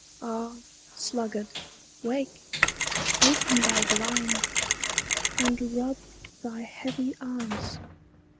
Ah! sluggard, wake! Open thy blind, and rub thy heavy eyes!